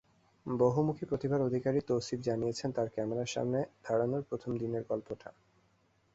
বহুমুখী প্রতিভার অধিকারী তৌসিফ জানিয়েছেন তাঁর ক্যামেরার সামনে দাঁড়ানোর প্রথম দিনের গল্পটা।